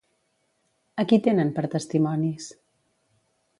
A qui tenen per testimonis?